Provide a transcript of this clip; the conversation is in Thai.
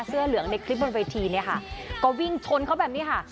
เสื้อเหลืองในคลิปบนเวทีเนี่ยค่ะก็วิ่งชนเขาแบบนี้ค่ะ